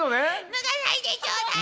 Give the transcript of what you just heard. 脱がないでちょうだい。